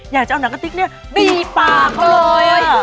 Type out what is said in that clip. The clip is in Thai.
อยากจะแบบดีปากเขาเลย